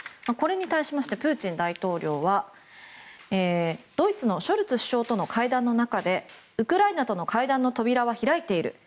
これに対してプーチン大統領はドイツのショルツ首相との会談の中でウクライナとの会談の扉は開いている。